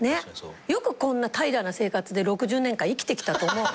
よくこんな怠惰な生活で６０年間生きてきたと思う。